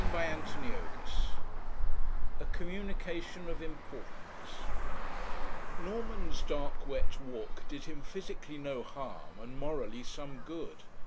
CHAPTER XIII A COMMUNICATION OF IMPORTANCE Norman's dark wet walk did him physically no harm, and morally some good.